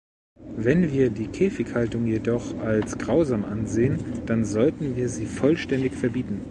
Wenn wir die Käfighaltung jedoch als grausam ansehen, dann sollten wir sie vollständig verbieten.